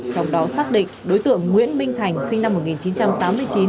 trong đó xác định đối tượng nguyễn minh thành sinh năm một nghìn chín trăm tám mươi chín